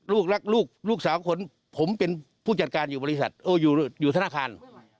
ลูกรักลูกลูกสาวคนผมเป็นผู้จัดการอยู่บริษัทอยู่ธนาคาร